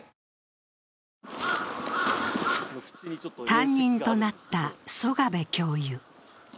担任となった曽我部教諭。